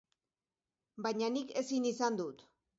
Baina nik ezin izan dut.